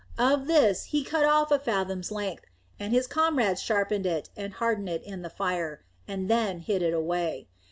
Of this he cut off a fathom's length, and his comrades sharpened it and hardened it in the fire, and then hid it away.